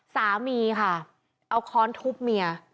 สามีค่ะเอาค้อนทุบเมีย